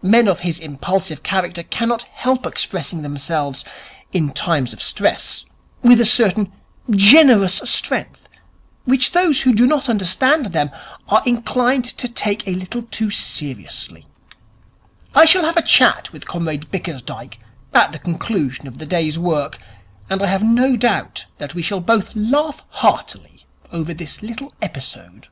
Men of his impulsive character cannot help expressing themselves in times of stress with a certain generous strength which those who do not understand them are inclined to take a little too seriously. I shall have a chat with Comrade Bickersdyke at the conclusion of the day's work, and I have no doubt that we shall both laugh heartily over this little episode.'